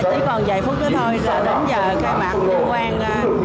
chỉ còn vài phút nữa thôi là đến giờ khai mạc liên quan